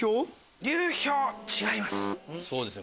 違います。